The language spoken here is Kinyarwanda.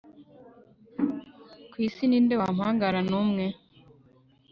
ku isi ni nde wampangara numwe